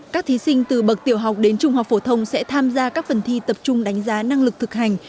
các thí sinh từ bậc tiểu học đến trung học phổ thông sẽ tham gia các phần thi tập trung đánh giá năng lực thực hành